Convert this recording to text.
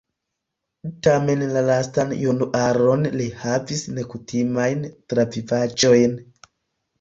Tamen la lastan januaron li havis nekutimajn travivaĵojn.